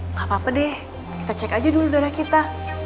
nggak apa apa deh kita cek aja dulu darah kita